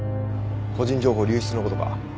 個人情報流出の事か？